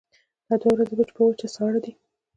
دا دوه ورځې وچ په وچه ساړه دي.